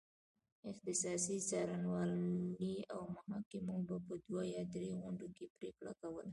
اختصاصي څارنوالۍ او محاکمو به په دوه یا درې غونډو کې پرېکړه کوله.